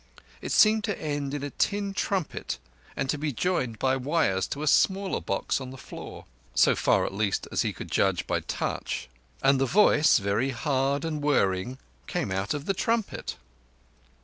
It seemed to end in a tin trumpet and to be joined by wires to a smaller box on the floor—so far, at least, as he could judge by touch. And the voice, very hard and whirring, came out of the trumpet.